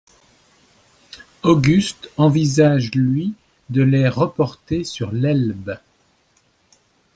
Auguste envisage lui de les reporter sur l’Elbe.